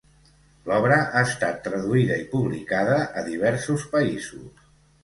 L'obra ha estat traduïda i publicada a diversos països.